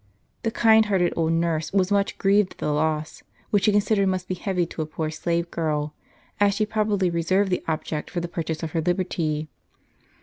The kind hearted old nurse was umch grieved at the loss. which she considered must be heavy to a poor slave girl, as she probably reserved that object for the purchase of her liberty.